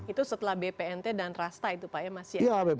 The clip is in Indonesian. itu setelah bpnt dan rasta itu pak ya mas ya